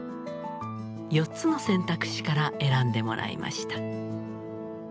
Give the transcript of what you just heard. ４つの選択肢から選んでもらいました。